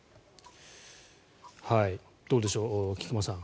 どうでしょう菊間さん。